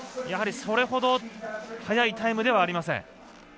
やはり、それほど速いタイムではありません。